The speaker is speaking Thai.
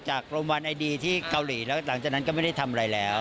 โรงพยาบาลไอดีที่เกาหลีแล้วหลังจากนั้นก็ไม่ได้ทำอะไรแล้ว